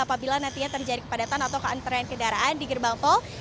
apabila nantinya terjadi kepadatan atau antrean kendaraan di gerbang tol